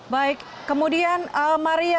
baik kemudian maria